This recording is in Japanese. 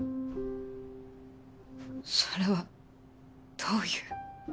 それはどういう。